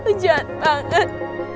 lo jahat banget